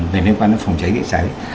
để liên quan đến phòng cháy gây cháy